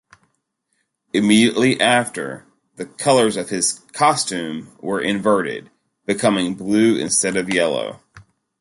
Immediately after, the colors of his "costume" were inverted, becoming blue instead of yellow.